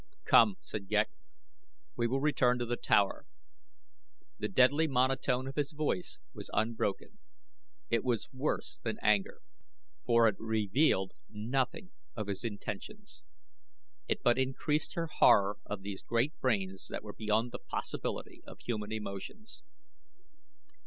"Come!" said Ghek. "We will return to the tower." The deadly monotone of his voice was unbroken. It was worse than anger, for it revealed nothing of his intentions. It but increased her horror of these great brains that were beyond the possibility of human emotions.